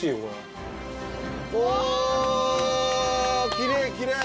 きれいきれい！